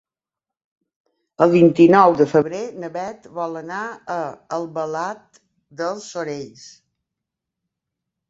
El vint-i-nou de febrer na Bet vol anar a Albalat dels Sorells.